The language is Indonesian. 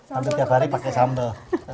sambel tiap hari pakai sambel